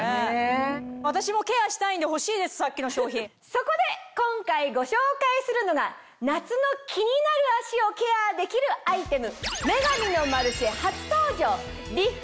そこで今回ご紹介するのが夏の気になる脚をケアできるアイテム。